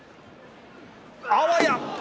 あわや。